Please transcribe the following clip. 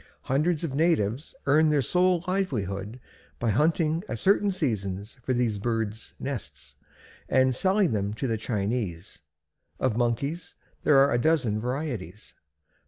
Hundreds of natives earn their sole livelihood by hunting at certain seasons for these birds' nests and selling them to the Chinese. Of Monkeys there are a dozen varieties.